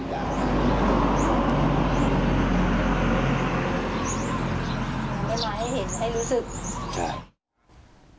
เวลาให้เห็นให้รู้สึกใช่